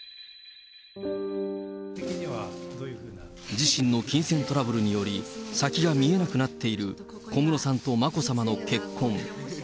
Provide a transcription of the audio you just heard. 自身の金銭トラブルにより、先が見えなくなっている小室さんと眞子さまの結婚。